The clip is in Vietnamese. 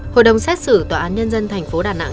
hội đồng xét xử tòa án nhân dân thành phố đà nẵng